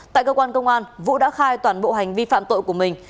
tại cơ quan công an vũ đã khai toàn bộ hành vi phạm tội của mình